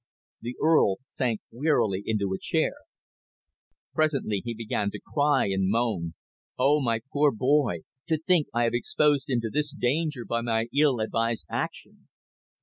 The Earl sank wearily into a chair. Presently he began to cry and moan. "Oh, my poor boy. To think I have exposed him to this danger by my ill advised action."